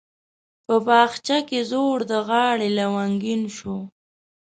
په بخچه کې زوړ د غاړي لونګین شو